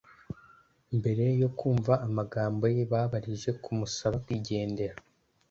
Mbere yo kumva amagambo ye, babarije kumusaba kwigendera.